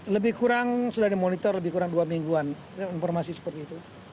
lebih kurang sudah dimonitor lebih kurang dua mingguan informasi seperti itu